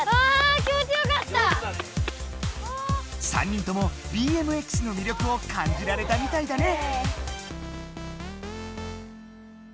３人ともＢＭＸの魅力を感じられたみたいだね。